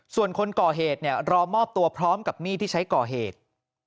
ส่วนคนก่อเหตุเนี่ยรอมอบตัวพร้อมกับมีดที่ใช้ก่อเหตุ